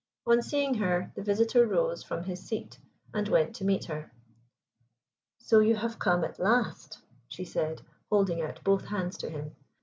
On seeing her, the visitor rose from his seat and went to meet her. "So you have come at last," she said, holding out both hands to him.